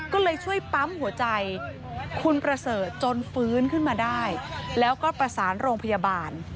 ก็เลยช่วยปั๊มหัวใจคุณประเสริฐจนฟื้นขึ้นมาได้แล้วก็ประสานโรงพยาบาล